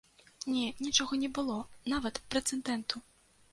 Не, нічога не было, нават прэцэдэнту.